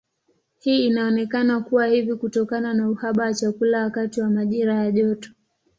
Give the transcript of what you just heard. Hii inaonekana kuwa hivi kutokana na uhaba wa chakula wakati wa majira ya joto.